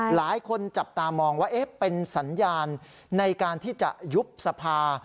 หลายคนจับตามองว่าเป็นสัญญาณในการที่จะยุบสภา